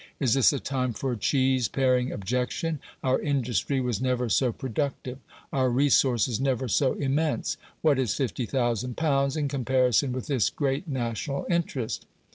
Is this a time for cheese paring objection? Our industry was never so productive; our resources never so immense. What is 50,000 pounds in comparison with this great national interest?"